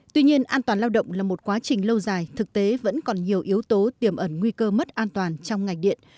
tuy nhiên an toàn lao động là một quá trình lâu dài thực tế vẫn còn nhiều yếu tố tiềm ẩn nguy cơ mất an toàn trong ngành điện